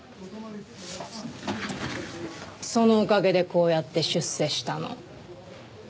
そのおかげでこうやって出世したの。